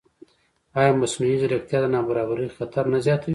ایا مصنوعي ځیرکتیا د نابرابرۍ خطر نه زیاتوي؟